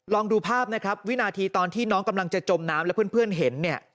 ลองดูภาพนะครับวินาทีตอนที่น้องกำลังจะจมน้ำแล้วเพื่อนเห็นเนี่ย